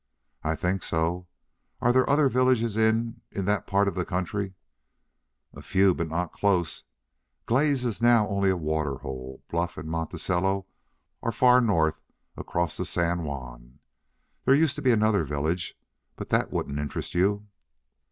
"I think so. Are there other villages in in that part of the country?" "A few, but not close. Glaze is now only a water hole. Bluff and Monticello are far north across the San Juan.... There used to be another village but that wouldn't interest you."